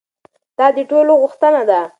دا د ټولو غوښتنه ده.